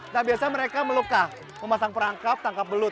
nah biasanya mereka meluka memasang perangkap tangkap belut